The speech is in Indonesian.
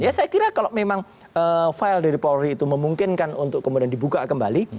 ya saya kira kalau memang file dari polri itu memungkinkan untuk kemudian dibuka kembali